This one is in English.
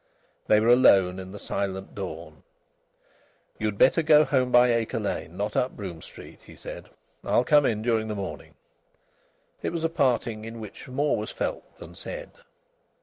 They were alone in the silent dawn. "You'd better go home by Acre Lane, not up Brougham Street," he said. "I'll come in during the morning." It was a parting in which more was felt than said.